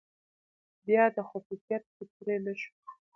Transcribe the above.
بيا دا خصوصيت فطري نه شو،